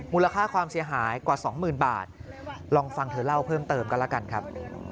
มูลค่าความเสียหายกว่าสองหมื่นบาทลองฟังเธอเล่าเพิ่มเติมกันแล้วกันครับ